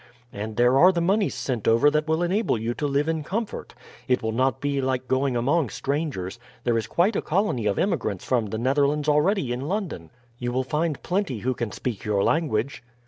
And there are the moneys sent over that will enable you to live in comfort. It will not be like going among strangers. There is quite a colony of emigrants from the Netherlands already in London. You will find plenty who can speak your language."